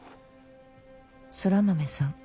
「空豆さん」